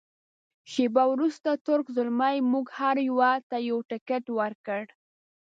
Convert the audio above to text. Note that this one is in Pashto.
شیبه وروسته تُرک زلمي موږ هر یوه ته یو تکټ ورکړ.